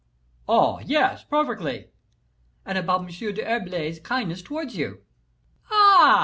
"Oh, yes! perfectly." "And about M. d'Herblay's kindness towards you." "Ah!"